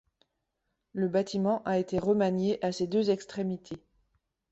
Le bâtiment a été remanié au à ses deux extrémités.